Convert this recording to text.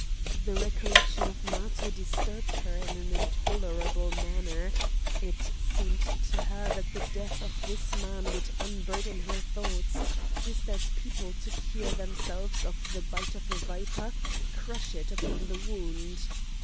The recollection of Matho disturbed her in an intolerable manner; it seemed to her that the death of this man would unburden her thoughts, just as people to cure themselves of the bite of a viper crush it upon the wound.